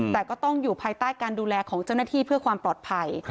แต่ก็ต้องอยู่ภายใต้การดูแลของเจ้าหน้าที่เพื่อความปลอดภัย